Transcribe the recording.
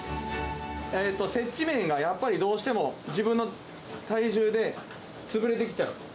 設置面がやっぱりどうしても自分の体重で潰れてきちゃう。